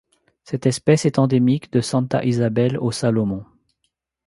Cette espèce est endémique de Santa Isabel aux Salomon.